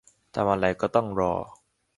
ทำอะไรก็ต้องรอ